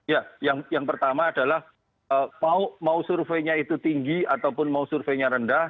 ya yang pertama adalah mau surveinya itu tinggi ataupun mau surveinya rendah